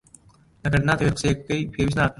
ئەگەر ناتەوێت قسەیەک بکەیت، پێویست ناکات.